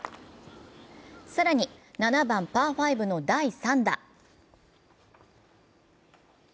更に７番・パー５の第３打。